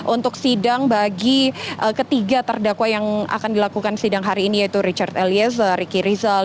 untuk sidang bagi ketiga terdakwa yang akan dilakukan sidang hari ini yaitu richard eliezer ricky rizal